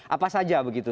apa saja begitu